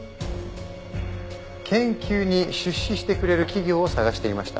研究に出資してくれる企業を探していました。